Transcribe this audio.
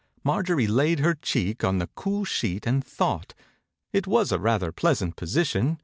Marjorie laid her cheek on the cool sheet and thought. It was a rather pleasant position.